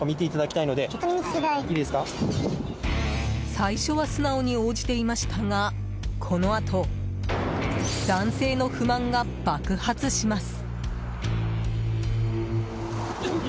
最初は素直に応じていましたがこのあと男性の不満が爆発します。